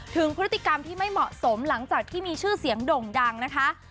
ถึงพฤติกรรมที่ไม่เหมาะสมหลังจากที่มีชื่อเสียงด่งดังนะคะ